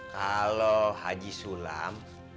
kalau haji sulam